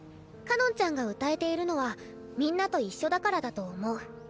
かのんちゃんが歌えているのはみんなと一緒だからだと思う。